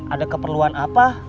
ada keperluan apa